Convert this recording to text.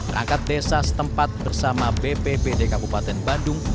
rangkat desa setempat bersama bppd kabupaten bandung